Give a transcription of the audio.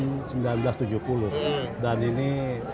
dan ini terus berubah